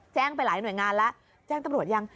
ไปหลายหน่วยงานแล้วแจ้งตำรวจยัง